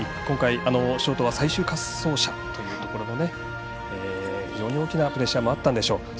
今回、ショートは最終滑走者というところも非常に大きなプレッシャーもあったんでしょう。